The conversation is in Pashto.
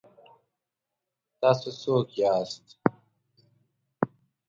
ـ تاسو څوک یاست؟